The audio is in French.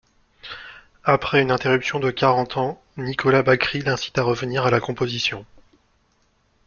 Après une interruption de quarante ans, Nicolas Bacri l’incite à revenir à la composition.